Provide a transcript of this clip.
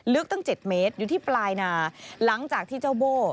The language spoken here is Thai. ตั้ง๗เมตรอยู่ที่ปลายนาหลังจากที่เจ้าโบ้